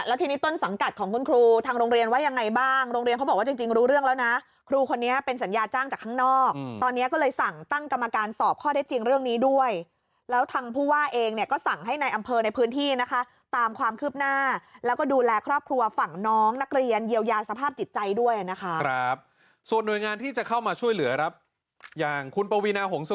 แล้วทีนี้ต้นสังกัดของคุณครูทางโรงเรียนว่ายังไงบ้างโรงเรียนเขาบอกว่าจริงรู้เรื่องแล้วนะครูคนนี้เป็นสัญญาจ้างจากข้างนอกตอนนี้ก็เลยสั่งตั้งกรรมการสอบข้อได้จริงเรื่องนี้ด้วยแล้วทางผู้ว่าเองก็สั่งให้ในอำเภอในพื้นที่นะคะตามความคืบหน้าแล้วก็ดูแลครอบครัวฝั่งน้องนักเรียนเยียวยาสภาพจิตใจ